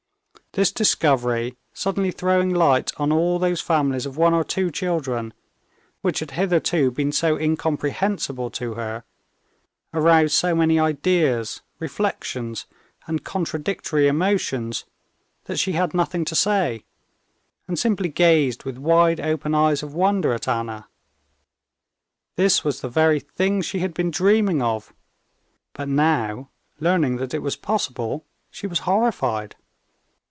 This discovery, suddenly throwing light on all those families of one or two children, which had hitherto been so incomprehensible to her, aroused so many ideas, reflections, and contradictory emotions, that she had nothing to say, and simply gazed with wide open eyes of wonder at Anna. This was the very thing she had been dreaming of, but now learning that it was possible, she was horrified.